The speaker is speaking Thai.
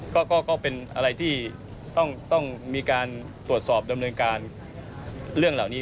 ก็เป็นอะไรที่ต้องมีการตรวจสอบดำเนินการเรื่องเหล่านี้